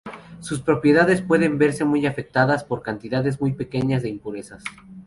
Sus propiedades pueden verse muy afectadas por cantidades muy pequeñas de impurezas.